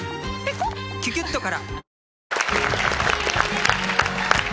「キュキュット」から！